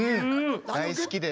大好きです。